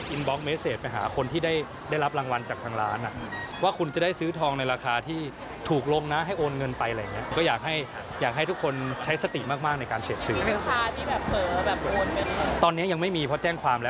อินบล็อกเมสเซตไปหาคนที่ได้รับรางวัลจากทางร้าน